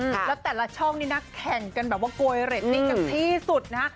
แล้วแต่ละช่องนี่แข่งกันโกยเรดนี่กันที่สุดนะ